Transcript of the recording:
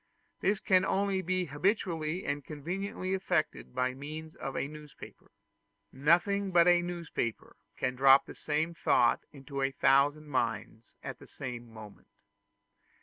This can only be habitually and conveniently effected by means of a newspaper; nothing but a newspaper can drop the same thought into a thousand minds at the same moment.